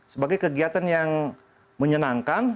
sebagai kegiatan yang menyenangkan